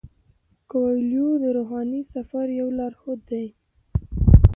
کویلیو د روحاني سفر یو لارښود دی.